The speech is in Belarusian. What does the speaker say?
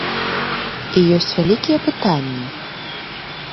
І ёсць вялікія пытанні.